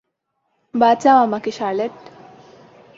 বাঁচাও আমাকে শার্লেট?